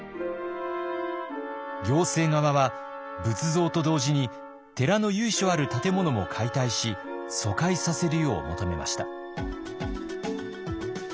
行政側は仏像と同時に寺の由緒ある建物も解体し疎開させるよう求めました。